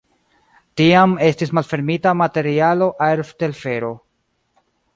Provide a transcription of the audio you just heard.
Tiam estis malfermita materialo-aertelfero.